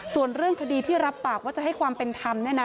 ส่วนเรื่องคดีที่รับปากว่าจะให้ความเป็นธรรมเนี่ยนะ